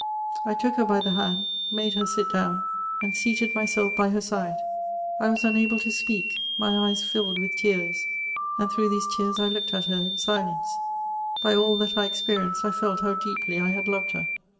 I took her by the hand — made her sit down — and seated myself by her side ; I was unable to speak — my eyes filled with tears — and through these tears I looked at her in silence ; by all that I experienced, I felt how deeply I had lored her.